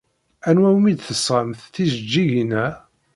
Anwa umi d-tesɣamt tijeǧǧigin-a?